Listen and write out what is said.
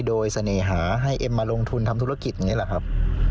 โดยเสน่หาให้เอ็มมาลงทุนทำธุรกิจอย่างนี้แหละครับ